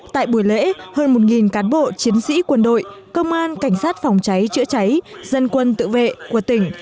tại buổi lễ hơn một cán bộ chiến sĩ quân đội công an cảnh sát phòng cháy chữa cháy dân quân tự vệ của tỉnh